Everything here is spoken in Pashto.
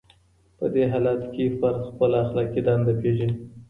په دې حالت کي فرد خپله اخلاقي دنده پېژني.